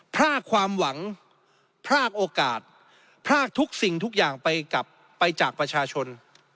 พรากความหวังพรากโอกาสพรากทุกสิ่งทุกอย่างไปกลับไปจากประชาชน